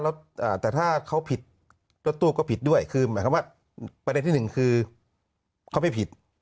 แต่ถ้าเขาผิดรถตู้ก็ผิดด้วยคือเข้าไปจากที่หนึ่งคือเขาไม่ผิด